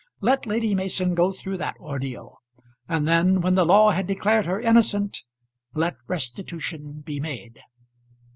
Let Lady Mason go through that ordeal; and then, when the law had declared her innocent, let restitution be made.